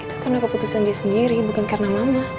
itu karena keputusan dia sendiri bukan karena mama